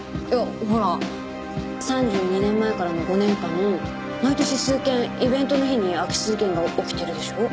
ほら３２年前からの５年間毎年数件イベントの日に空き巣事件が起きてるでしょ？